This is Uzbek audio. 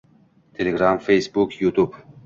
Telegram | Facebook | YouTube